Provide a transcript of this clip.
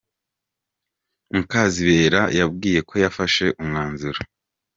Mukazibera yabwiye ko yafashe umwanzuro.